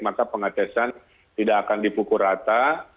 maka pengetesan tidak akan dipukul rata